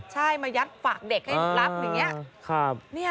ใช่มายัดฝากเด็กให้รับอย่างนี้